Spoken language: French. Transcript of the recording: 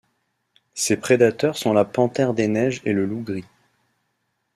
Ses prédateurs sont la panthère des neiges et le loup gris.